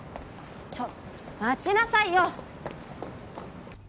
ちょっ待ちなさいよ！